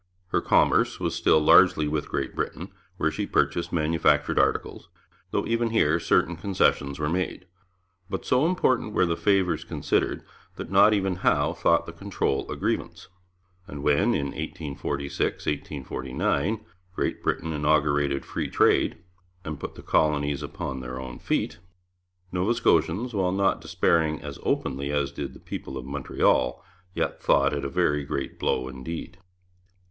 Her commerce was still largely with Great Britain, where she purchased manufactured articles, though even here certain concessions were made; but so important were the favours considered that not even Howe thought the control a grievance, and when in 1846 49 Great Britain inaugurated free trade and put the colonies upon their own feet, Nova Scotians, while not despairing as openly as did the people of Montreal, yet thought it a very great blow indeed.